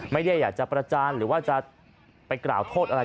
ไม่ได้อยากจะประจานหรือว่าจะไปกล่าวโทษอะไร